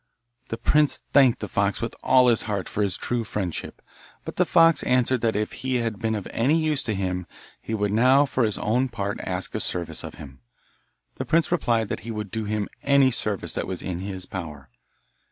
The prince thanked the fox with all his heart for his true friendship, but the fox answered that if he had been of any use to him he would now for his own part ask a service of him. The prince replied that he would do him any service that was in his power.